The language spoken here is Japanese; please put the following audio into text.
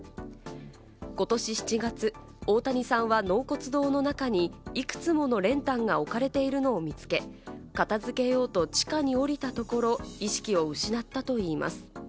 ことし７月、大谷さんは納骨堂の中にいくつもの練炭が置かれているのを見つけ、片付けようと地下に降りたところ、意識を失ったといいます。